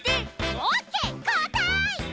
オッケーこうたい！